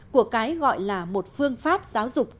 của cái gọi là một phương pháp giáo dục